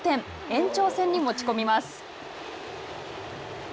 延長戦に持ち込みます。